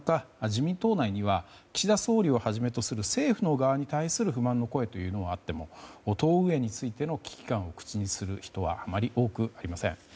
自民党内には岸田総理をはじめとする政府の側に対する不満の声はあっても党運営についての危機感を口にする人はあまり多くありません。